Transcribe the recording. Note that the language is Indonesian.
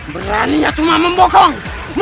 berani ya cuma membokong